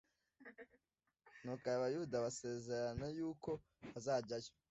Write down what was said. nuko abayuda basezerana yuko bazajyayo